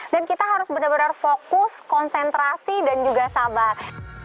dan kita harus benar benar fokus konsentrasi dan juga sabar